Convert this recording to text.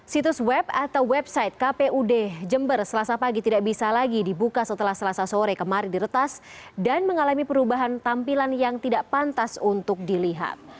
situs web atau website kpud jember selasa pagi tidak bisa lagi dibuka setelah selasa sore kemarin diretas dan mengalami perubahan tampilan yang tidak pantas untuk dilihat